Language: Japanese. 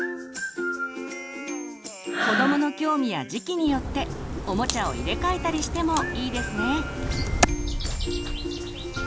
子どもの興味や時期によっておもちゃを入れ替えたりしてもいいですね。